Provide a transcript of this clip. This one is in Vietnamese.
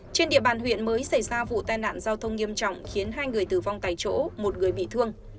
trên địa bàn huyện mới xảy ra vụ tai nạn giao thông nghiêm trọng khiến hai người tử vong tại chỗ một người bị thương